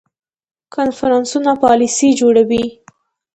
کنفرانسونه پالیسي جوړوي